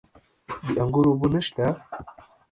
د انګورو اوبه نشته؟